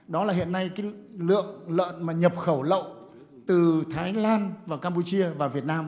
đó là hiện nay cái lượng lợn mà nhập khẩu lậu từ thái lan và campuchia vào việt nam